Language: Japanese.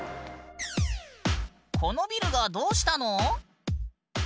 このビルがどうしたの？